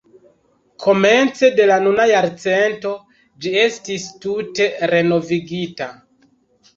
Komence de la nuna jarcento ĝi estis tute renovigita.